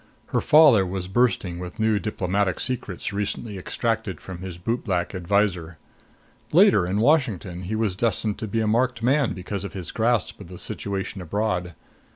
Her father was bursting with new diplomatic secrets recently extracted from his bootblack adviser. Later, in Washington, he was destined to be a marked man because of his grasp of the situation abroad.